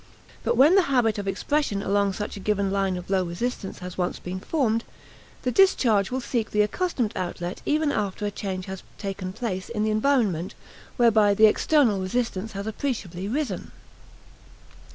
But when the habit of expression along such a given line of low resistance has once been formed, the discharge will seek the accustomed outlet even after a change has taken place in the environment whereby the external resistance has appreciably risen.